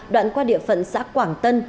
đoạn qua địa phận xã quảng tân